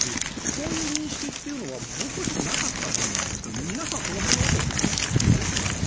こういう認識というのは僕はなかったものですが皆さんはその辺、認識されてるんですか。